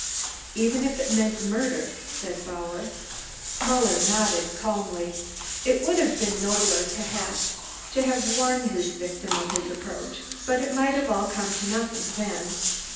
"Even if it meant murder," said Bauer. Muller nodded calmly. "It would have been nobler, perhaps, to have warned his victim of his approach, but it might have all come to nothing then.